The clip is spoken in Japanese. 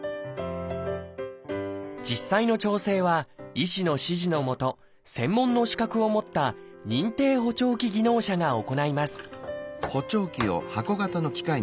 実際の調整は医師の指示のもと専門の資格を持った「認定補聴器技能者」が行います